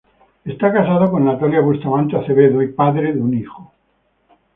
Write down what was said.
Está casado con Natalia Bustamante Acevedo y padre de un hijo.